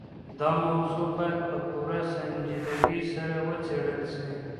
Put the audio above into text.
دا موضوع بايد په پوره سنجيدګۍ سره وڅېړل سي.